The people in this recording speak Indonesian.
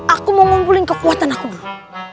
aku mau ngumpulin kekuatan aku dulu